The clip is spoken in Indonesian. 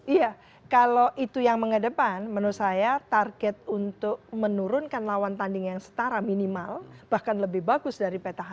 iya kalau itu yang mengedepan menurut saya target untuk menurunkan lawan tanding yang setara minimal bahkan lebih bagus dari petahana